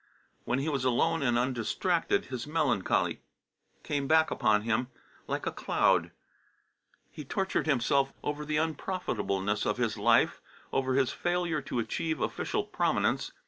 When he was alone and undistracted, his melancholy came back upon him like a cloud. He tortured himself over the unprofitableness of his life, over his failure to achieve official prominence.